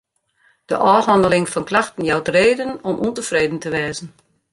De ôfhanneling fan klachten jout reden om ûntefreden te wêzen.